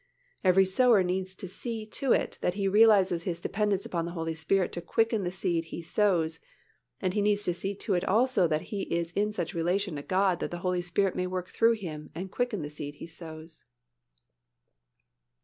Every sower needs to see to it that he realizes his dependence upon the Holy Spirit to quicken the seed he sows and he needs to see to it also that he is in such relation to God that the Holy Spirit may work through him and quicken the seed he sows.